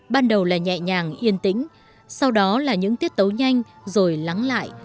ban đầu là nhẹ nhàng yên tĩnh sau đó là những tiết tấu nhanh rồi lắng lại